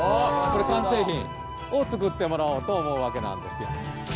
これ完成品を作ってもらおうと思うわけなんですよ。